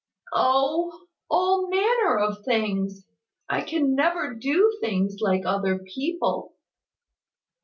"Oh! All manner of things. I can never do things like other people."